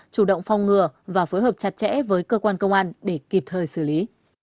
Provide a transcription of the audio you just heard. chủ động phong ngừa và phối hợp chặt chẽ với cơ quan công an để kịp thời xử lý